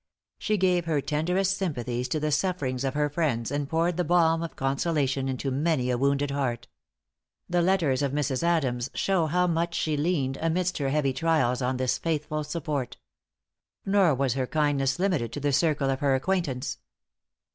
She gave her tenderest sympathies to the sufferings of her friends, and poured the balm of consolation into many a wounded heart. The letters of Mrs. Adams show how much she leaned, amidst her heavy trials, on this faithful support. Nor was her kindness limited to the circle of her acquaintance.